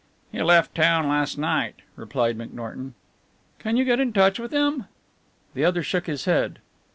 "He left town last night," replied McNorton. "Can you get in touch with him?" The other shook his head.